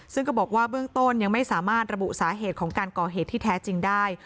ซึ่งก็บอกว่าเบื้องต้นยังไม่สามารถระบุสาเหตุของการก่อเหตุที่แท้จริงได้